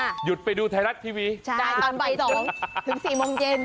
หยุดไปดูไทยรักท์ทีวีตอนใบ๒ถึง๔โมงเย็น